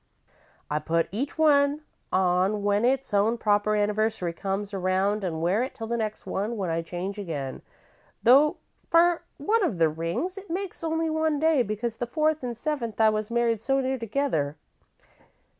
"I put each one on when its own proper anniversary comes around an' wear it till the next one, when I change again, though for one of the rings it makes only one day, because the fourth and seventh times I was married so near together.